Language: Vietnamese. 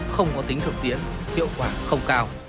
không có tính thực tiễn tiệu quả không cao